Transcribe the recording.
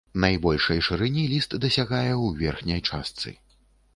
Найбольшай шырыні ліст дасягае ў верхняй частцы.